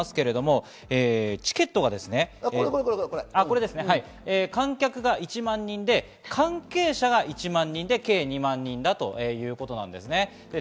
チケットが観客が１万人で関係者が１万人で計２万人です。